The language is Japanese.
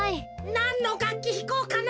なんのがっきひこうかな。